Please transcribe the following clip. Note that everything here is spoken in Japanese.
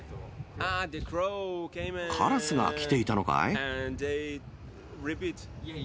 カラスが来ていたのかい？